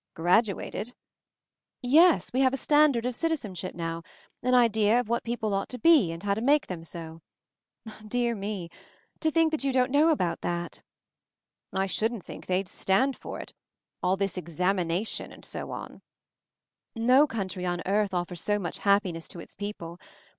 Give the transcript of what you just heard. "Graduated?" "Yes. We have a standard of citizen ship now — an idea of what people ought to be and how to make them so. Dear me! To think that you don't know about that —" "I shouldn't think they'd stand for it — all this examination and so on." 56 MOVING THE MOUNTAIN "No country on earth offers so much hap piness to its people.